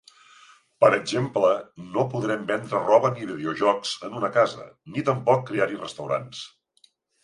Per exemple, no podrem vendre roba ni videojocs en una casa, ni tampoc crear-hi restaurants.